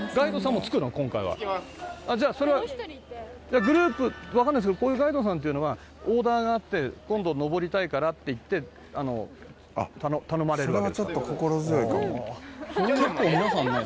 それはグループわかんないですけどこういうガイドさんっていうのはオーダーがあって今度登りたいからって言って頼まれるわけですか？